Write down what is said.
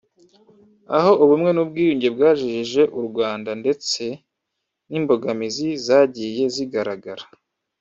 aho ubumwe n’ubwiyunge byagejeje u Rwanda ndetse n’imbogamizi zagiye zigaragara